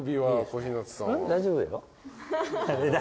大丈夫だよ。